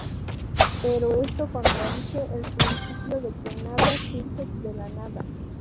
Pero esto contradice el principio de que nada surge de la nada.